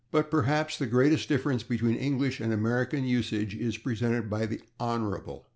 But perhaps the greatest difference between English and American usage is presented by /the Honorable